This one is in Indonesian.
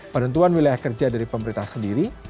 penentuan wilayah kerja dari pemerintah sendiri